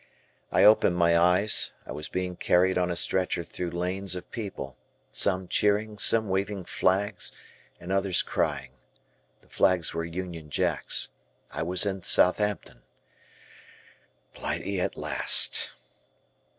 I opened my eyes; I was being carried on a stretcher through lanes of people, some cheering, some waving flags, and others crying. The flags were Union Jacks, I was in Southampton. Blighty at last.